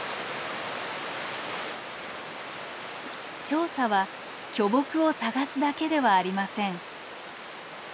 調査は巨木を探すだけではありません。